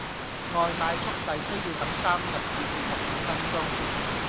外賣速遞需要等三十至四十五分鐘